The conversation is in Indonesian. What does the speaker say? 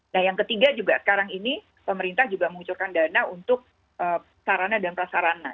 nah yang ketiga juga sekarang ini pemerintah juga mengucurkan dana untuk sarana dan prasarana